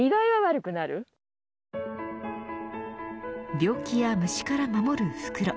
病気や虫から守る袋。